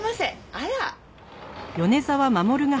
あら！